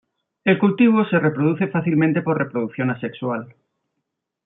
En cultivo se reproduce fácilmente por reproducción asexual.